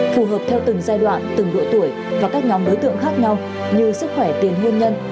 phù hợp theo từng giai đoạn từng độ tuổi và các nhóm đối tượng khác nhau như sức khỏe tiền hôn nhân